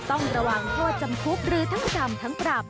ต้องระวังโทษจำคุกหรือทั้งจำทั้งปรับ